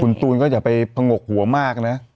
คุณตูนก็อย่าไปผงกหัวมากนะ